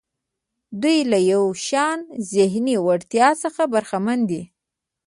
دوی له یو شان ذهني وړتیا څخه برخمن دي.